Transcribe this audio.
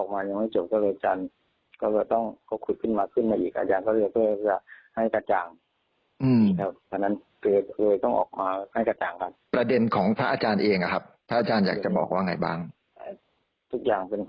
ไม่ได้หนีก็บอกแล้วที่มาตั้งแต่วันต้องบอก